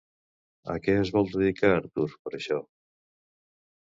A què es vol dedicar Artur, per això?